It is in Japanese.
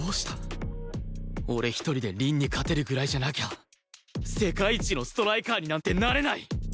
俺一人で凛に勝てるぐらいじゃなきゃ世界一のストライカーになんてなれない